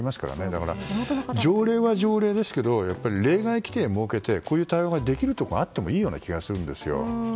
だから、条例は条例ですけどやっぱり例外規定を設けてこういう対応ができるところがあってもいいような気がするんですよ。